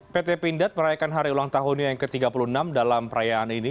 pt pindad merayakan hari ulang tahunnya yang ke tiga puluh enam dalam perayaan ini